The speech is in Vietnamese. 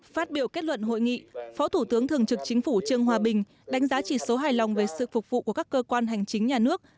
phát biểu kết luận hội nghị phó thủ tướng thường trực chính phủ trương hòa bình đánh giá chỉ số hài lòng về sự phục vụ của các cơ quan hành chính nhà nước